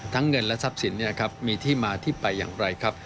เงินและทรัพย์สินมีที่มาที่ไปอย่างไรครับ